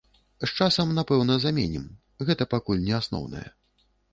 З часам, напэўна, заменім, гэта пакуль не асноўнае.